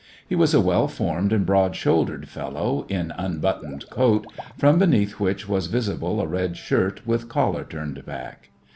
He was a well formed and broad shouldered fellow, in unbuttoned coat, from beneath which was visible a red shirt with collar turned back.